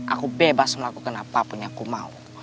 aku bebas melakukan apapun yang aku mau